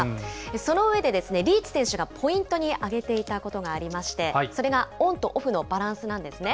その上で、リーチ選手がポイントに挙げていたことがありまして、それがオンとオフのバランスなんですね。